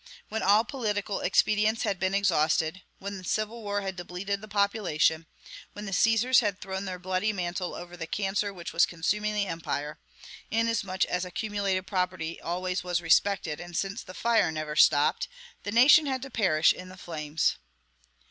When all political expedients had been exhausted, when civil war had depleted the population, when the Caesars had thrown their bloody mantle over the cancer which was consuming the empire, inasmuch as accumulated property always was respected, and since the fire never stopped, the nation had to perish in the flames.